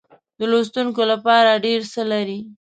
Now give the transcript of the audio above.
د لوستونکو لپاره ډېر څه لري.